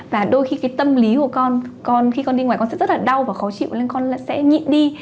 và đôi khi cái tâm lý của con con khi con đi ngoài con sẽ rất là đau và khó chịu nên con sẽ nhịn đi